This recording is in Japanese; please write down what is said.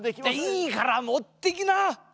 いいからもってきな！